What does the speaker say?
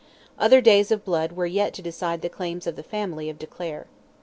Other days of blood were yet to decide the claims of the family of de Clare.